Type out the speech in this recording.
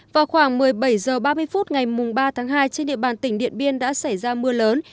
vào khoảng một mươi bảy h ba mươi phút ngày ba tháng hai trên địa bàn tỉnh điện biên đã xảy ra mưa lớn